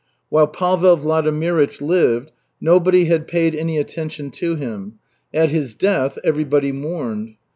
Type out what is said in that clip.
While Pavel Vladimirych lived, nobody had paid any attention to him; at his death everybody mourned.